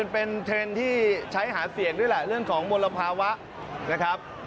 เป็นเทรนด์ที่ใช้หาเสียงด้วยแหละเรื่องของมลภาวะนะครับ